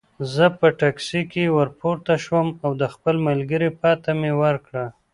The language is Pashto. زه په ټکسي کې ورپورته شوم او د خپل ملګري پته مې ورکړه.